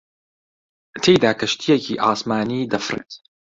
تێیدا کەشتییەکی ئاسمانی دەفڕێت